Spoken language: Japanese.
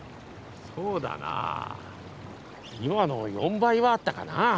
そうだなぁ今の４倍はあったかなぁ。